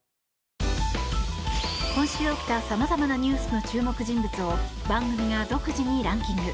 今週起きた様々なニュースの注目人物を番組が独自にランキング。